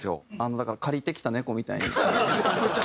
だから借りてきた猫みたいに。